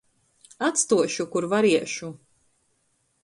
Atstuošu, kur variešu.